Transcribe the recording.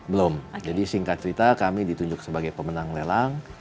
belum jadi singkat cerita kami ditunjuk sebagai pemenang lelang